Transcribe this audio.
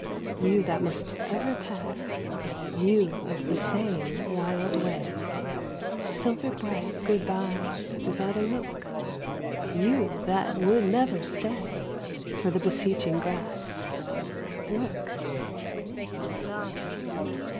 You that must ever pass, You of the same wild way, The silver bright good bye without a look! You that would never stay, For the beseeching grass ... Brook!